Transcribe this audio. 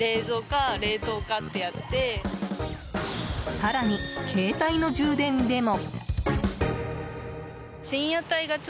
更に、携帯の充電でも。